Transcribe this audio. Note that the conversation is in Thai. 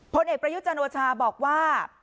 ผลเอกประยุจันทร์โอชาบอกว่า